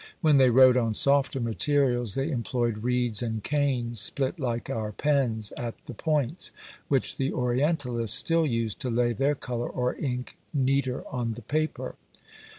When they wrote on softer materials, they employed reeds and canes split like our pens at the points, which the orientalists still use to lay their colour or ink neater on the paper.